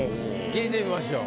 聞いてみましょう。